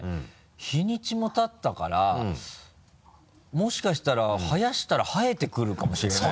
日にちもたったからもしかしたら生やしたら生えてくるかもしれない。